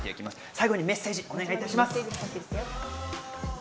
最後にメッセージをお願いします。